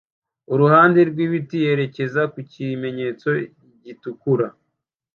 kuruhande rwibiti yerekeza ku kimenyetso gitukura